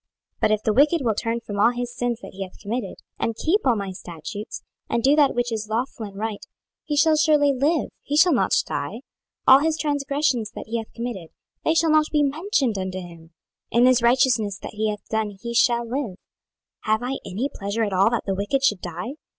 26:018:021 But if the wicked will turn from all his sins that he hath committed, and keep all my statutes, and do that which is lawful and right, he shall surely live, he shall not die. 26:018:022 All his transgressions that he hath committed, they shall not be mentioned unto him: in his righteousness that he hath done he shall live. 26:018:023 Have I any pleasure at all that the wicked should die?